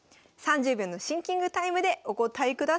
３０秒のシンキングタイムでお答えください。